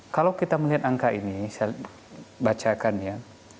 kalau kita melihat angka ini saya bacakan ya